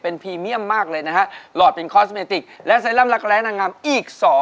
พรีเมียมมากเลยนะฮะหลอดเป็นคอสเมติกและไซรั่มรักแรงงามอีก๒